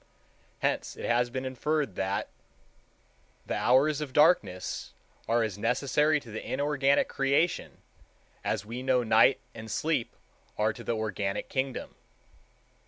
Hence it has been inferred that "the hours of darkness are as necessary to the inorganic creation as we know night and sleep are to the organic kingdom."